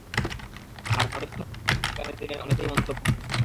আর তা যথার্থই বলে বুযুর্গানে দীনের অনেকেই মন্তব্য করেছেন।